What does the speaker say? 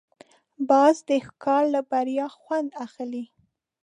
باز د ښکار له بریا خوند اخلي